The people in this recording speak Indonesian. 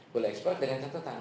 boleh ekspor dengan catatan